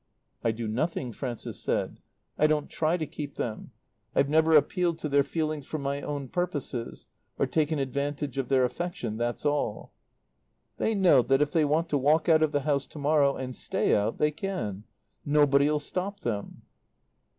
"I do nothing," Frances said. "I don't try to keep them. I've never appealed to their feelings for my own purposes, or taken advantage of their affection, that's all. "They know that if they want to walk out of the house to morrow, and stay out, they can. Nobody'll stop them."